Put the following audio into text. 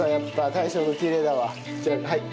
大将のきれいだわ。